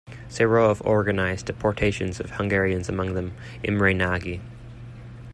Serov organized deportations of Hungarians, among them Imre Nagy.